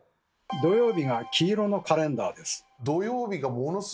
土曜日が黄色のカレンダーです。